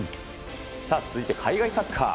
続いて海外サッカー。